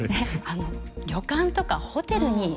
旅館とかホテルに。